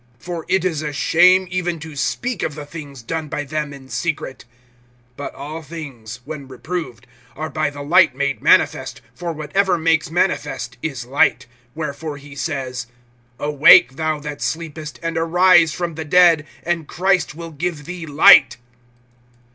(12)For it is a shame even to speak of the things done by them in secret. (13)But all things, when reproved, are by the light made manifest; for whatever makes manifest is light. (14)Wherefore he says: Awake, thou that sleepest, and arise from the dead, and Christ will give thee light.